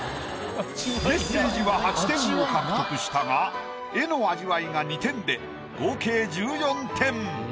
メッセージは８点を獲得したが絵の味わいが２点で合計１４点。